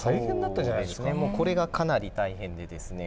これがかなり大変でですね